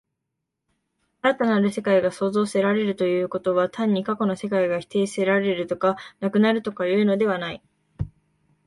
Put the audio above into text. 新たなる世界が創造せられるということは、単に過去の世界が否定せられるとか、なくなるとかいうのではない。